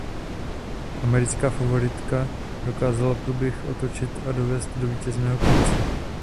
Americká favoritka dokázala průběh otočit a dovést do vítězného konce.